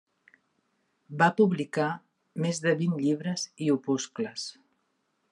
Va publicar més de vint llibres i opuscles.